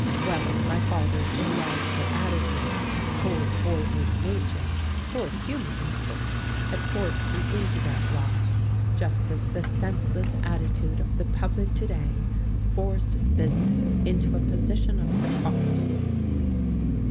Well, my father's illogical attitude towards boyhood nature, towards human nature, had forced me into that lie, just as the senseless attitude of the public to day forced business into a position of hypocrisy.